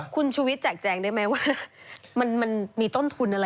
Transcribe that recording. คุณชูวิทยแจกแจงได้ไหมว่ามันมีต้นทุนอะไร